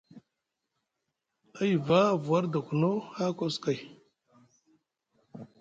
A yiva avu war dokno haa koskoy.